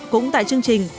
cũng tại chương trình